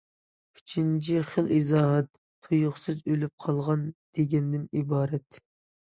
ئۈچىنچى خىل ئىزاھات:« تۇيۇقسىز ئۆلۈپ قالغان» دېگەندىن ئىبارەت.